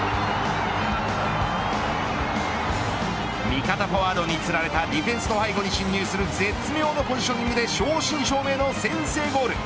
味方フォワードにつられたディフェンスの背後に侵入する絶妙なポジショニングで正真正銘の先制ゴール。